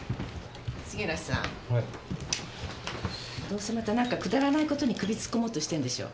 どうせまた何かくだらない事に首突っ込もうとしてんでしょ。